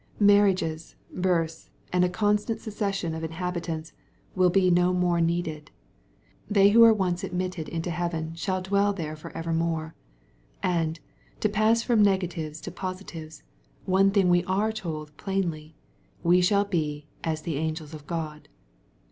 Marri ages, births, and a constant succession of inhabitants, will be no more needed. They who are once admitted into heaven shall dwell there for evermore.— And, to pass from negatives to positives, one thing we are told plainly — ^we shall be "as the angels of God."